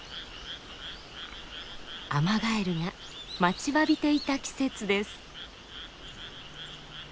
アマガエルが待ちわびていた季節です。